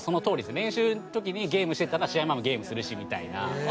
練習の時にゲームしてたら試合前もゲームするしみたいな。